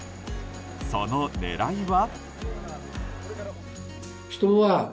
その狙いは？